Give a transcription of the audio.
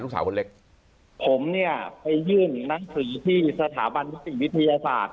ลูกสาวคนเล็กผมเนี่ยไปยื่นหนังสือที่สถาบันนิติวิทยาศาสตร์